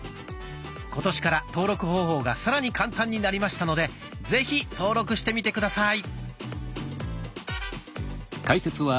今年から登録方法がさらに簡単になりましたのでぜひ登録してみて下さい。